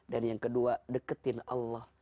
dan yang kedua deketin allah